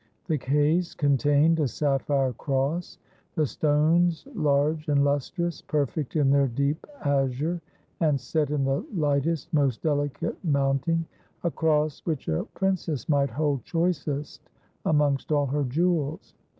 The case contained a sapphire cross, the stones large and lustrous, perfect in their deep azure, and set in the lightest, most delicate mounting — a cross which a princess might hold choicest amongst all her jewels.